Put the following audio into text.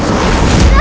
aku akan menangkapmu